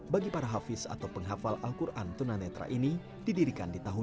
bagi para hafiz atau penghafal al quran tunanetra ini didirikan di tahun dua ribu